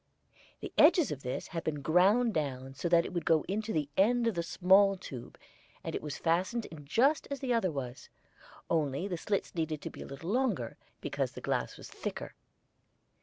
The edges of this had been ground down so that it would go into the end of the small tube, and it was fastened in just as the other was, only the slits needed to be a little longer, because the glass was thicker.